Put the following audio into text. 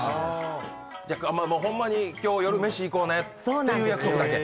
じゃあホンマに今日夜飯行こうねっていう約束だけ。